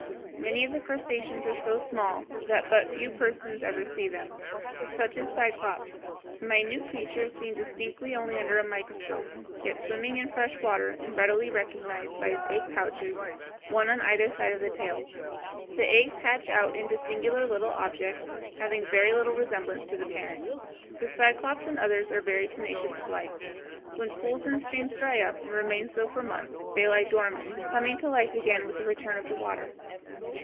Many of the crustaceans are so small that but few persons ever see them. Such is Cyclops (Fig. 137), a minute creature seen distinctly only under a microscope, yet swimming in fresh water and readily recognized by its egg pouches, one on either side of the tail. The eggs hatch out into singular little objects, having very little resemblance to the parent. The Cyclops and others are very tenacious of life. When pools and streams dry up and remain so for months, they lie dormant, coming to life again with the return of the water.